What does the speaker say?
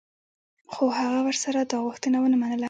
خو هغه ورسره دا غوښتنه و نه منله.